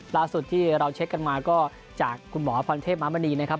ล่าสุดที่เราเช็คกันมาก็จากคุณหมอพรเทพมามณีนะครับ